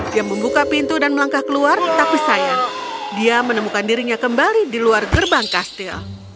dia membuka pintu dan melangkah keluar tapi sayang dia menemukan dirinya kembali di luar gerbang kastil